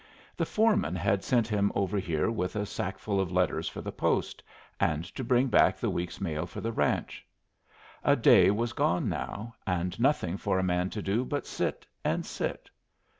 The foreman had sent him over here with a sackful of letters for the post, and to bring back the week's mail for the ranch. A day was gone now, and nothing for a man to do but sit and sit.